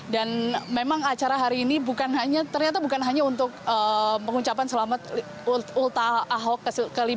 dan memang acara hari ini bukan hanya ternyata bukan hanya untuk pengucapan selamat ulta ahok ke lima puluh satu